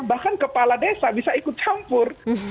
bahkan kepala desa bisa ikut campur